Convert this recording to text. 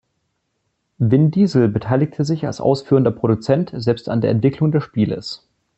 Vin Diesel beteiligte sich als ausführender Produzent selbst an der Entwicklung des Spieles.